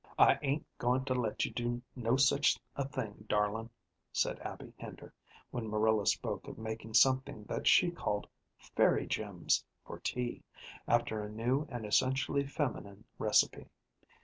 "I ain't goin' to let you do no such a thing, darlin'," said Abby Hender, when Marilla spoke of making something that she called "fairy gems" for tea, after a new and essentially feminine recipe.